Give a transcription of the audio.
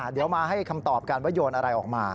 เดี๋ยวมาให้คำตอบกันว่าโยนอะไรออกมา